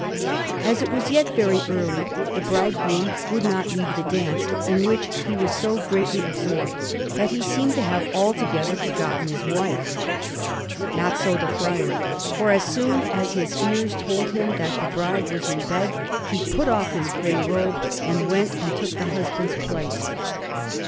As it was yet very early, the bridegroom would not leave the dance, in which he was so greatly absorbed that he seemed to have altogether forgotten his wife. Not so the Friar, for, as soon as his ears told him that the bride was in bed, he put off his grey robe and went and took the husband's place.